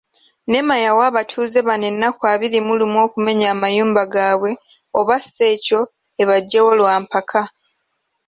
NEMA yawa abatuuze bano ennaku abiri mu lumu okumenya amayumba gaabwe oba ssi ekyo, ebaggyewo lwampaka.